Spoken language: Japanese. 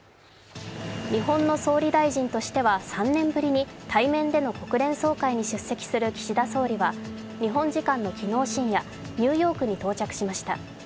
日本の総理大臣としては３年ぶりに対面での国連総会に出席する岸田総理は日本時間の昨日深夜ニューヨークに到着しました。